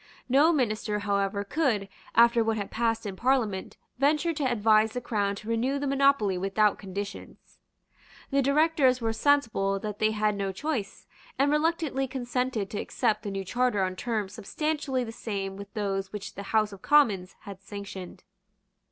No minister, however, could, after what had passed in Parliament, venture to advise the Crown to renew the monopoly without conditions. The Directors were sensible that they had no choice, and reluctantly consented to accept the new Charter on terms substantially the same with those which the House of Commons had sanctioned.